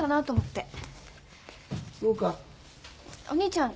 お兄ちゃん。